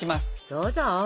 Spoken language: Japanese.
どうぞ！